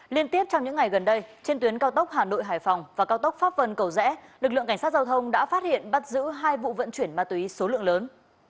liên tiếp trong những ngày gần đây trên tuyến cao tốc hà nội hải phòng và cao tốc pháp vân cầu rẽ lực lượng cảnh sát giao thông đã phát hiện bắt giữ hai vụ vận chuyển ma túy số lượng lớn